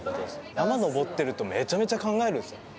山を登ってるとめちゃめちゃ考えるんですよ。